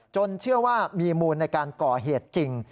เชื่อว่ามีมูลในการก่อเหตุจริง